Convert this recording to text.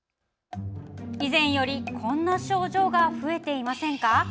以前より、こんな症状が増えていませんか？